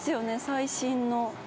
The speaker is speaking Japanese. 最新の。